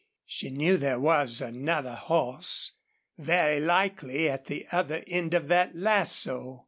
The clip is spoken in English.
She knew there was another horse, very likely at the other end of that lasso.